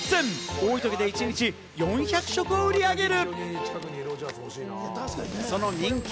多いときは一日４００食を売り上げる！